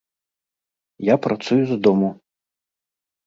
Я працую з дому.